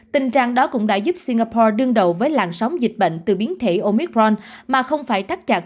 tình trạng đó cũng đã giúp singapore đương đầu với làn sóng dịch bệnh từ biến thể omicron mà không phải thắt chặt